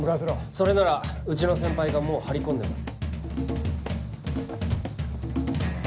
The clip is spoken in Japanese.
それならうちの先輩がもう張り込んでます。